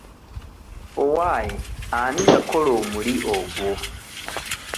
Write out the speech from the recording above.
Owaaye ani yakola omuli ogwo?